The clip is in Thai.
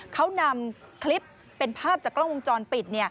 เขานำคลิปเป็นภาพจากกล้องวงจรปิด